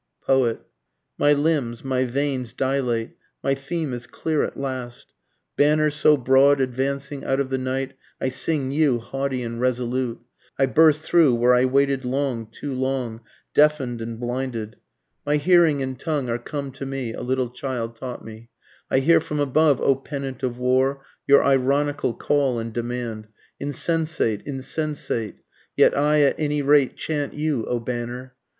Poet. My limbs, my veins dilate, my theme is clear at last, Banner so broad advancing out of the night, I sing you haughty and resolute, I burst through where I waited long, too long, deafen'd and blinded, My hearing and tongue are come to me, (a little child taught me,) I hear from above O pennant of war your ironical call and demand, Insensate! insensate! (yet I at any rate chant you,) O banner!